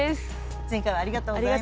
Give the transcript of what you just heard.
前回はありがとうございました。